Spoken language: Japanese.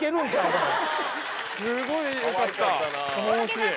すごいよかった！